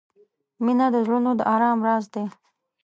• مینه د زړونو د آرام راز دی.